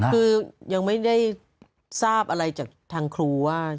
คือยังไม่ได้ทราบอะไรจากทางครูว่า